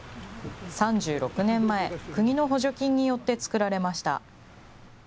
３６年前、国の補助金によって作られました。